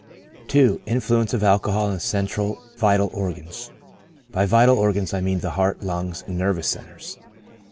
II. Influence of Alcohol on the Central Vital Organs. — By vital organs I mean the hearty lungs ^ and nervous centres.